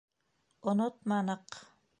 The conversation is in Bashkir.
— Онотманыҡ!